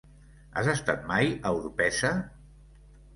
Has estat mai a Orpesa?